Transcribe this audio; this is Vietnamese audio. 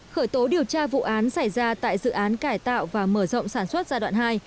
khởi tố điều tra vụ án xảy ra tại dự án cải tạo và mở rộng sản xuất giai đoạn hai